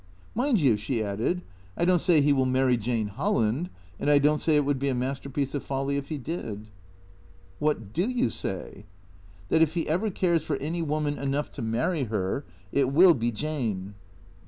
" Mind you," she added, " I don't say he will marry Jane Hol land, and I don't say it would be a masterpiece of folly if he did." " WhoX do you say ?"" That if he ever cares for any woman enough to marry her, it will be Jane."